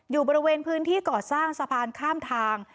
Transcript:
อยู่บริเวณพื้นที่ก่อสร้างสะพานข้ามทาง